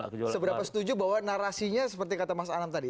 seberapa setuju bahwa narasinya seperti kata mas anam tadi